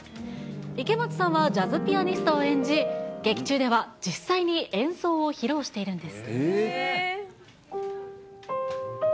池松さんはジャズピアニストを演じ、劇中では実際に演奏を披露しているんです。